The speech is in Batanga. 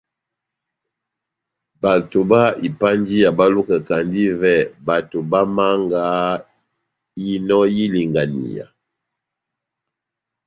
Bato bá ipanjiya bá lukakandi ivɛ bato bá mianga inò y'ilinganiya.